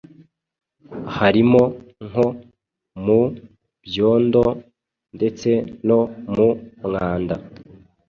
harimo nko mu byondo ndetse no mu mwanda.